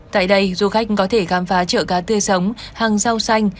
tại đây du khách có thể khám phá chợ cá tươi sống hàng rau xanh